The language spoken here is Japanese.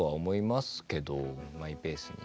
マイペースに。